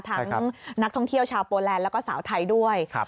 นักท่องเที่ยวชาวโปแลนด์แล้วก็สาวไทยด้วย